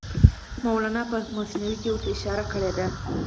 مولانا په مثنوي کې ورته اشاره کړې ده.